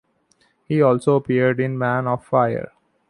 He also appeared in "Man on Fire".